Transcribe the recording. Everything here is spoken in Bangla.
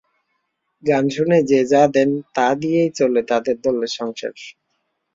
গান শুনে যে যা দেন, তা দিয়েই চলে তাঁদের দলের সংসার।